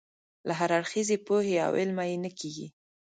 له هراړخیزې پوهې او علمه یې نه کېږي.